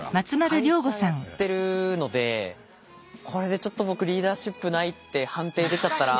会社やってるのでこれでちょっと僕リーダーシップないって判定出ちゃったら。